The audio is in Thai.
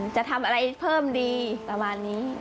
จะทำอะไรเพิ่มดีประมาณนี้